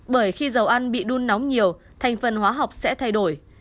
bởi khi dầu ăn bị đun nóng nhiều thành phần hóa học sẽ thay đổi